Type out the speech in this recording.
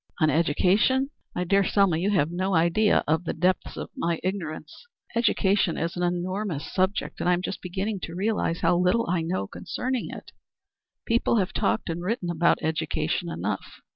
"On education? My dear Selma, you have no idea of the depths of my ignorance. Education is an enormous subject, and I am just beginning to realize how little I know concerning it. People have talked and written about education enough.